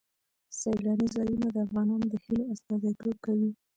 سیلاني ځایونه د ځوانانو د هیلو استازیتوب کوي.